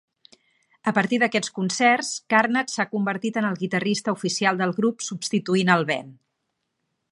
A partir d'aquests concerts, Karnats s'ha convertit en el guitarrista oficial del grup, substituint el Ben.